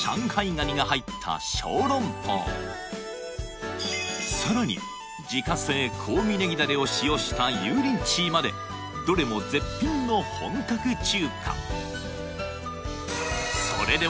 蟹が入った小籠包さらに自家製香味ネギダレを使用した油淋鶏までどれも絶品の本格中華